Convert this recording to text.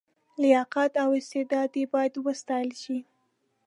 لیاقت او استعداد یې باید وستایل شي.